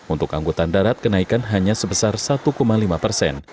untuk angkutan darat kenaikan hanya sebesar satu lima persen